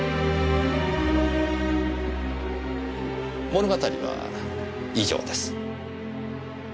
物語は以上です。